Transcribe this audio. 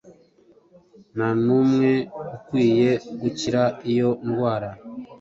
Ntanumwe ukwiye gukira iyo ndwara